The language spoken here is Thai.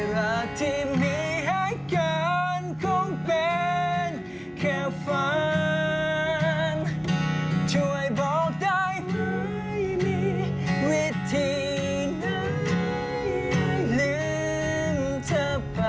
วันนี้ต้องลาไปก่อนแล้วสวัสดีค่ะ